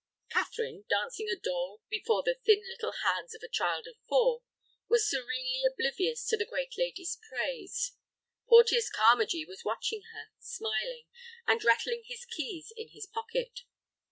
Catherine, dancing a doll before the thin little hands of a child of four, was serenely oblivious of the great lady's praise. Porteus Carmagee was watching her, smiling, and rattling his keys in his pocket.